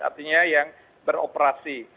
artinya yang beroperasi